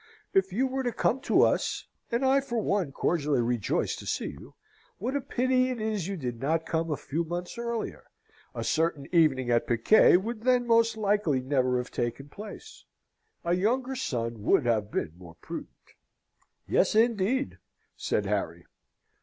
"If you were to come to us and I, for one, cordially rejoice to see you what a pity it is you did not come a few months earlier! A certain evening at piquet would then most likely never have taken place. A younger son would have been more prudent." "Yes, indeed," said Harry.